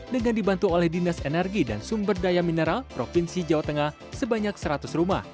dengan dibantu oleh dinas energi dan sumber daya mineral provinsi jawa tengah sebanyak seratus rumah